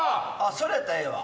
それやったらええわ。